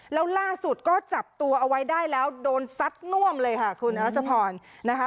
แล้วล่าสุดก็จับตัวเอาไว้ได้แล้วโดนซัดน่วมเลยค่ะคุณรัชพรนะคะ